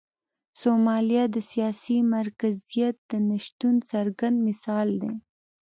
سومالیا د سیاسي مرکزیت د نشتون څرګند مثال دی.